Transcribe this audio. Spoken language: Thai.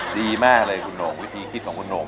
ดีมากเลยคุณโหงวิธีคิดของคุณหง